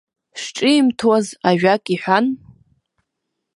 Шҿимҭуаз, ажәак иҳәан.